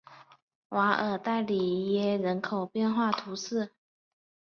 瓦尔代里耶人口变化图示